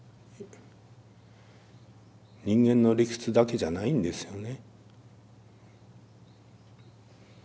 人間の理屈だけじゃないんですよね。